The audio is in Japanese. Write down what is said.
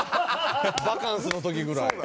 バカンスの時ぐらい。